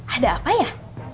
ada apa ya